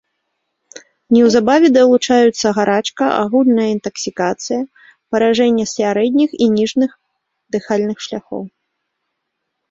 Неўзабаве далучаюцца гарачка, агульная інтаксікацыя, паражэнне сярэдніх і ніжніх дыхальных шляхоў.